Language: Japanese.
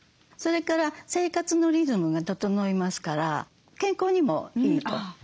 それから生活のリズムが整いますから健康にもいいと。